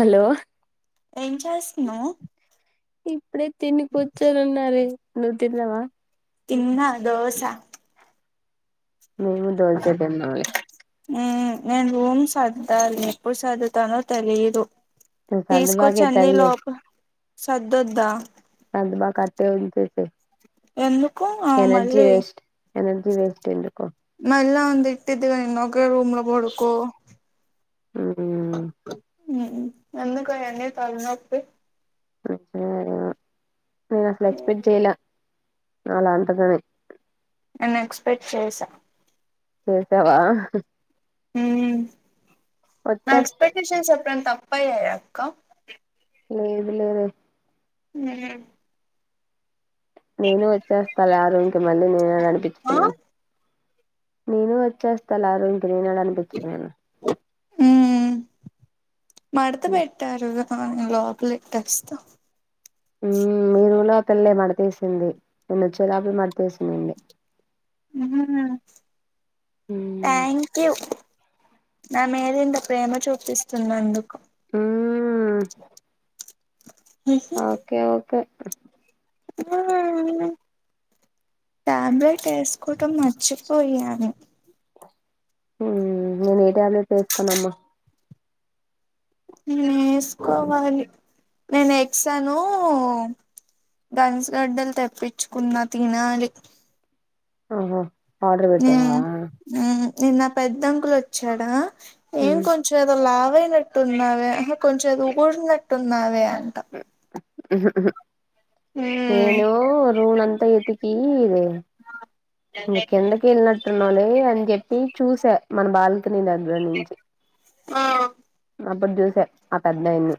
Hello ఏం చేస్తున్నావ్ ఇప్పుడే తిని కూర్చోనున్న రే నువ్వు తిన్నవా? తిన్నా దోస. మేము దోసే తిన్నాం లే మ్మ్ నేను రూమ్ సర్దాలి ఎప్పుడు సర్దుతానో తెలిదు నువ్వు కందిబాక తీసుకొచ్చి అన్నీ ఎత్తదిలే లోప సర్దొద్దా అండి మాక్ అట్టే ఎళ్లిపోతే ఎందుకు ఆ మళ్ళీ ఎనర్జీ వేస్ట్ ఎందుకు మళ్ళా తిట్టిదిగా నిన్ ఒకే రూమ్ లో పోడుకో మ్ మ్ ఎందుకు అయన్ని తలనొప్పి వచ్చినారా నేను అసలు ఎక్స్పెక్ట్ చేయల అలా అంటదని నేన్ ఎక్స్పెక్ట్ చేసా చేసావా? మ్ నా వచ్చేస్తా ఎక్స్పెక్టేషన్స్ ఎప్పుడన్న తప్పయ్యాయా అక్క లేదు లేవే మ్ నేను వచ్చేస్తాలే ఆ రూమ్ కి మళ్ళీ నేనెడ ఆ అనిపిచ్చుకునేది నేను వచ్చేస్తాలే ఆ రూమ్ కి నేనెడ అనిపిచ్చుకునేది మ్ మడత పెట్టారు రా దాన్ని లోపలే కసితో మ్ మీ రూమ్ లో పిల్లే మడతేసింది నేను వచ్చే లోపల మడతేసిన్నింది మ్ మ్మ్ థ్యాంక్ యూ నా మీద ఇంత ప్రేమ చూపిస్తున్నందు మ్ ఓకె ఓకె ఆ టాబ్లెట్ ఏసుకోవటం మర్చిపోయాను మ్ నేను ఏ ట్యాబ్లెట్ ఏసుకోనమ్మ మ్ ఏసుకోవాలి నేను ఎక్సాను గన్స్ గడ్డలు తెప్పించుకున్నా తినాలి ఆహా ఆర్డర్ పెట్టావా నిన్న ఆ పెద్ద అంకుల్ వచ్చాడా ఏం మ్మ్. కొంచెం ఏదోలా పోయినట్టున్నావే కొంచెం ఏదొ ఊడినట్టున్నావే అ హ్మ్ నేను రునన్ అంతా ఎతికి ఇద ఇంగ కిందకి వెళ్లినట్టున్నావులే అని చెప్పి చూసా మన బాల్కనీ దగ్గర నుంచి ఆ అప్పుడు చూస ఆ పెద్దయని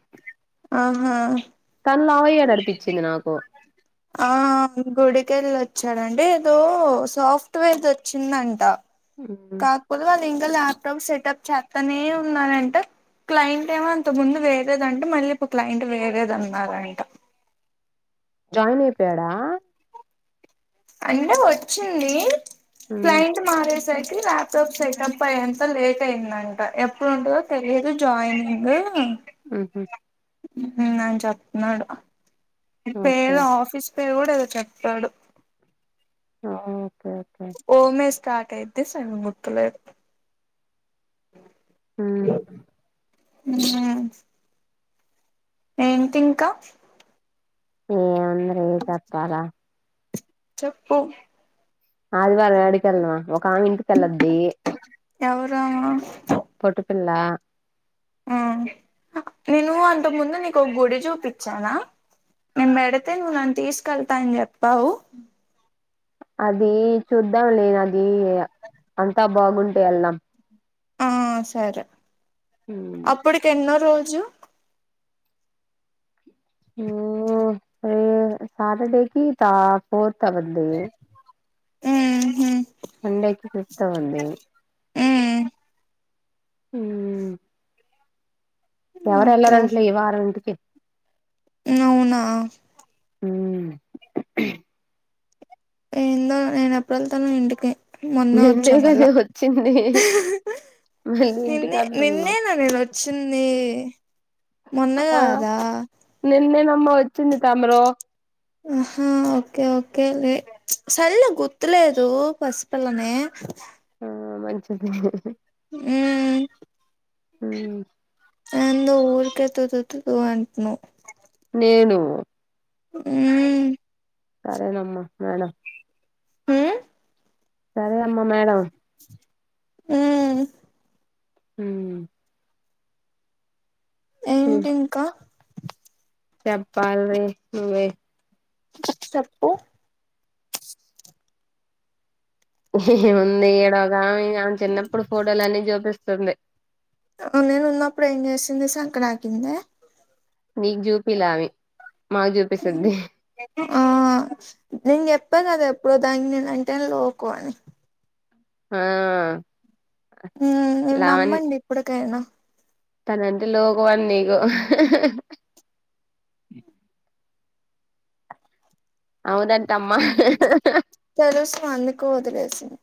ఆహా అనిపించింది నాకు ఆ గుడికెళ్లొచ్చా చ్చాడంటే ఏదో సాఫ్ట్వేర్ దివచ్చిందంట మ్మ్. కాకపోతే వాళ్ళ ఇం ఇంకా ల్యాప్టాప్ సెటప్ చేస్తనే ఉన్నారంట క్లయింట్ ఏమో అంతకు ముందు వేరేదంటె మళ్ళీ ఇప్పుడు క్లయింట్ వేరేదన్నారంట జాయిన్ అయిపోయాడా అంటే వచ్చింది మ్మ్. క్లయింట్ మారేసై కి ల్యాప్టాప్ సెటమ్ అయంత లేట్ అయిందంట ఎప్పుడు ఉంటదో తెలియదు జాయినింగ్ ఉహు అని చెప్న్నాడు ఓకే పేరు ఆఫీస్ పేరు కూడా ఏదో చెప్పాడు ఆ ఓమె స్టార్ట్ అయిది సగం గుర్తులేదు ఉ ఏంటి ఇంకా ఏముందిరే చెప్పాలా చెప్పు ఆదివారం యాడికి వెళ్దాం ఒక ఆమె ఇంటి తెలద్ది ఎవరు పొట్టి పిల్ల ఆ నేను అంతక ముందు నీకు ఒక గుడి చూపిచ్చానా నేను పెడితే నువ్వు నన్ను తీసుకెళ్తాని చెప్పావు అది చూద్దాం లేనది అంతా బాగుంటే వెళ్దాం ఆ సరే ఉమ్ అప్పుడికి ఎన్నో రోజు ఉ సటర్డేకి త ఫోర్త్ అవుద్ది ఉ హు పండక్కి ఫిఫ్త్ అవుద్ది ఉ ఊ ఎవరు ఓకే ఎల్లారంటలే ఈ వార ఇంటికి అవునా ఉ ఏందో నేను ఎప్పుడు వెళ్తానో ఇంటికి మొన్న వచ్చ నిన్నే మల్ల కదే వచ్చింది మళ్ళీ ఇంటికి నిన్నే అంటున్నావ్ నిన్నేనా నేను వచ్చింది మొన్న గాదా మ్మ వచ్చింది తమరు ఆహా ఓకే ఓకే లే సల్లే గుర్తులేదు పసి పిల్లనీ ఆ మంచిది ఉ ఉమ్ అ నువ్ ఊరికె తతుతు అంటునవ్ నేను ఊ సరే నమ్మ మేడం ఉ సరే అమ్మ మేడం ఉ ఉ ఏంటి ఇంక చెప్పాలీ నువ్వే చెప్పు ఏముంది ఈడోగామె ఆమె చిన్నప్పుడు ఫోటోలన్ని జూపిస్తుంది. నేను ఉన్నప్పుడు ఏం జేసింది సంకనాకిందా నీకు జూపిలే అవి మాకు జూపిస్తుంది. ఆ నేను జెప్పా గదా ఎప్పుడో దానికి నేను అంటేనే లోకువ అని ఆ ఉమ్ లావణ్య నమ్మండి ఇప్పుడికైనా తనంటే లోకువ అని నీకు అవునంటమ్మా కోదిలేసింది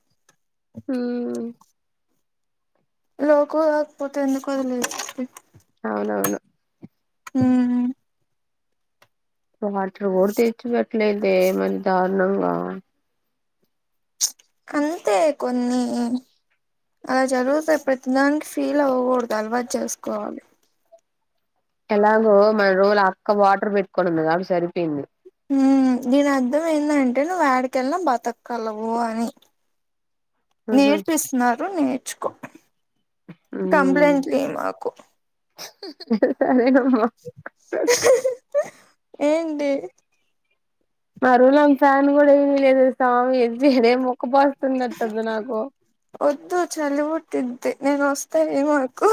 ఉమ్ లోకువ కాకపోతే ఎందుకు వదిలేస్తది అవునవును ఉమ్ వాటర్ గూడా తెచ్చి పెట్టలేదే మరి దారుణంగా అంతే కొన్ని అలా జరుగుతాయ్ ప్రతి దానికి ఫీల్ అవ్వగూడదు అలవాటు చేసుకోవాలి. ఎలాగో మన రోల్ అక్క వాటర్ పెట్టుకొని ఉంది కాబట్టి సరిపోయింది ఉమ్ దీని అర్థం ఏందంటే నువ్వు యేడికెళ్ళిన బతకగలవు అని హుహు. నేర్పిస్తున్నారు నేర్చుకో కంప్లైంట్లు ఇయ్యమాకు సరైనవ్ ఏంటి మా రూముల ఫ్యాను కూడా ఏయనీయలేదు సామి ఏందిదీ ఉక్కపోస్తున్నట్టు ఉంది నాకు వద్దు చలి పుట్టిద్ది నేను వస్తా ఏమనకు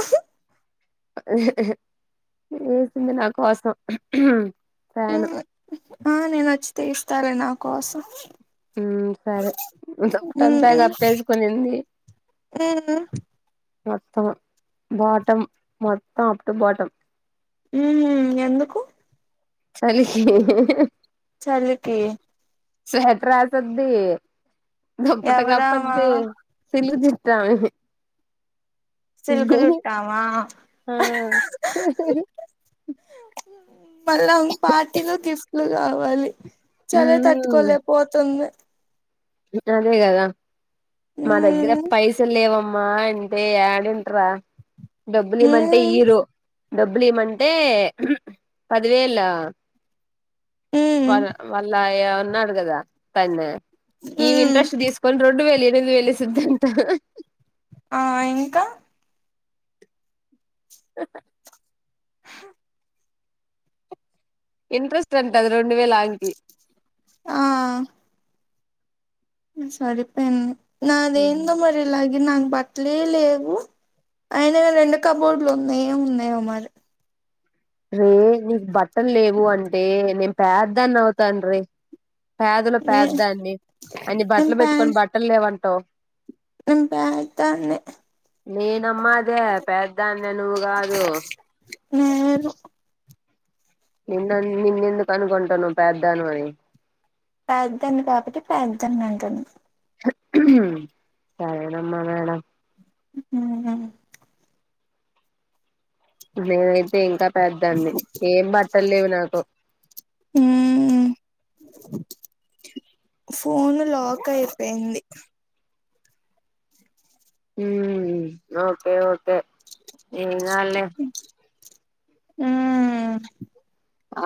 లేసింది నా కోసం ఫ్యాను ఉమ్ ఆ నేను వచ్చి తీస్తాలే నా కోసం ఉమ్ సరే దుప్పటంతా గప్పేసుకునింది ఆ మొత్తం బాటం మొత్తం అప్టు బాటం ఉమ్ ఎందుకు చలికి చలికి స్వెటర్ యేసిద్ది దుప్పటి ఎవరామా కప్పిద్ది సిల్లుది సిల్క్ జుట్టామా [inaudible] ఆ మళ్ళా పార్టీలు గిఫ్టులు గావాలి చలి తట్టుకోలేపోతుంది గిట్టనే గదా మా దగ్గర మ్మ్ పైసలు లేవమ్మా మా అంటే ఏడుంటరా డబ్బులు ఇయ్యమంటే మ్మ్ ఇయ్యరు డబ్బులు ఇయ్యమంటే పదివేలా మ్మ్ వాళ్ళ వాళ్ళ ఉన్నాడు గదా తనే ఈమె మ్మ్ ఇంట్రెస్ట్ దీసుకొని రెండు వేలు ఎనిమిది వేలు ఇస్తదంటా ఆ ఇంకా [inaudible] ఇంట్రెస్ట్ అంటది రెండు వేల ఆంగికి ఆ సరిపోయింది నాది ఏందో మరి ఇలాగే నాకు బట్టలే లేవు అయిన రెండు కబోర్డులు ఉన్నాయో ఉన్నాయో మరి రే నీకు బట్టలు లేవు అంటే నేను పేద్దన్ని అవుతాను రే పేదలో నే పేద దాన్ని అన్ని నేను బట్టలు పే పెట్టుకొని బట్టలు లేవంటావు నేను పేదనే నేనమ్మా అదే పెద్దాన్ని నువ్వు కాదు నేను నిన్న నిన్నె ఎందుకు అనుకుంటాను పెదను అని పేద్దాన్ని కాబట్టి పేద్దధన్ అంటుంది సరేనమ్మా మేడం ఉ నేనైతే ఇంకా పేద దాన్ని ఏం బట్టలు లేవు నాకు ఉ ఫోన్ లాక్ అయిపోయింది ఉ ఓకే ఓకే ఏం కాదులే ఆ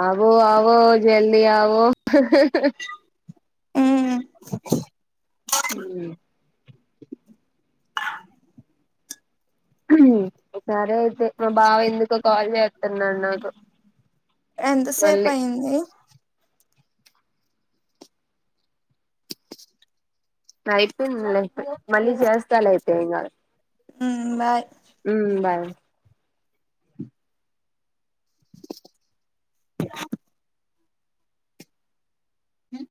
ఆగో ఆగో జల్ది ఆగో ఆ అ సరే అయితే మా బావ ఎందుకో కాల్ చేస్తున్నాడు నాకు ఎంతసేపు మళ్ళీ అయింది అయిపోయింది పో మళ్ళీ చేస్తాలే ఇంకా ఉమ్ బాయ్ ఉ బాయ్